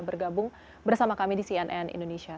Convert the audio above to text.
bergabung bersama kami di cnn indonesia